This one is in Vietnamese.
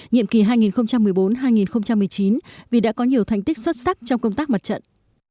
nhiệm kỳ hai nghìn một mươi bốn hai nghìn một mươi chín vì đã có nhiều thành tích xuất sắc trong công tác mặt trận